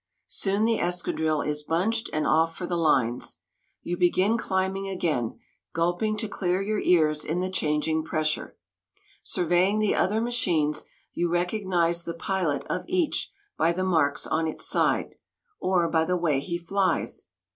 Soon the escadrille is bunched and off for the lines. You begin climbing again, gulping to clear your ears in the changing pressure. Surveying the other machines, you recognize the pilot of each by the marks on its side or by the way he flies.